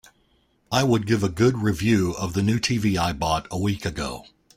I would give a good review of the new TV I bought a week ago.